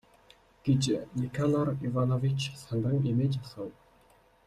гэж Никанор Иванович сандран эмээж асуув.